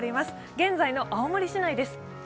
現在の青森市内です。